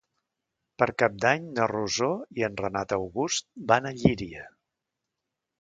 Per Cap d'Any na Rosó i en Renat August van a Llíria.